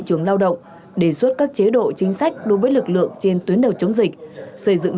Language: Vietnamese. trường lao động đề xuất các chế độ chính sách đối với lực lượng trên tuyến đầu chống dịch xây dựng